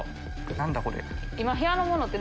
何だこれ。